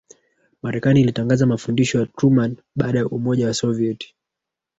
Marekani ilitangaza Mafundisho ya Truman baada ya Umoja wa Soviet